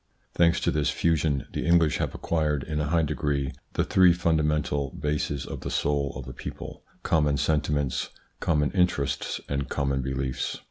Thanks to this fusion, the English have acquired in a high degree the three fundamental bases of the soul of a people : common sentiments, common interests, and common beliefs.